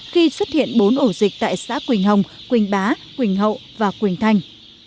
khi xuất hiện bốn ổ dịch tại xã quỳnh hồng quỳnh bá quỳnh hậu và quỳnh thanh